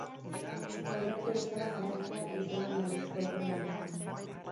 Orain arte bezala jarraitzea ez zegoen balizko aukeren artean.